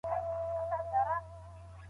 که نېکمرغي غواړئ نو يو واحد حکومت جوړ کړئ.